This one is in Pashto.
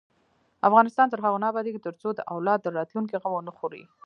افغانستان تر هغو نه ابادیږي، ترڅو د اولاد د راتلونکي غم ونه خورئ.